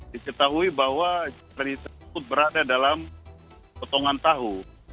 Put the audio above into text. diketahui bahwa jari tersebut berada dalam potongan tahu